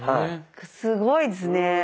すごいですね。